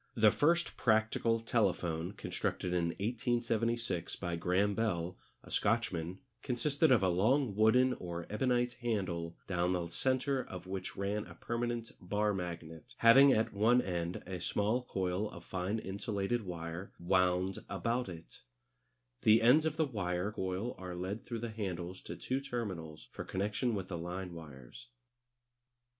The first practical telephone, constructed in 1876 by Graham Bell, a Scotchman, consisted of a long wooden or ebonite handle down the centre of which ran a permanent bar magnet, having at one end a small coil of fine insulated wire wound about it The ends of the wire coil are led through the handles to two terminals for connection with the line wires.